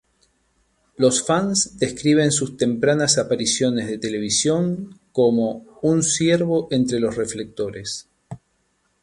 Los fans describen sus tempranas apariciones de televisión como "un ciervo entre los reflectores".